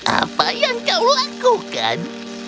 apa yang kau lakukan